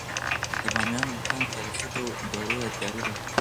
د بامیانو بتان د تاریخي دورو یادګار دی.